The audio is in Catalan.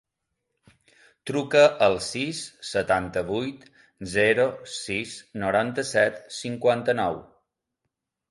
Truca al sis, setanta-vuit, zero, sis, noranta-set, cinquanta-nou.